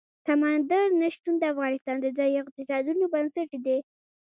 سمندر نه شتون د افغانستان د ځایي اقتصادونو بنسټ دی.